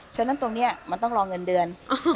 ฉะนั้นตรงนี้มันต้องรอเงินเดือน